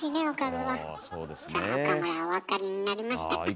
さあ岡村お分かりになりましたか？